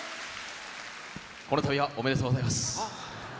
このたびはおめでとうございます。